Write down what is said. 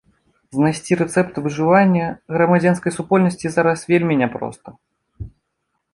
Знайсці рэцэпт выжывання грамадзянскай супольнасці зараз вельмі няпроста.